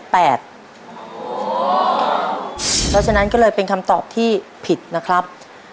เพราะฉะนั้นก็เลยเป็นคำตอบที่ผิดนะครับ